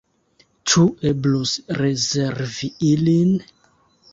Ĉu eblus rezervi ilin?